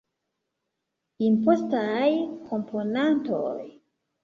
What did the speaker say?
Impostaj komponantoj.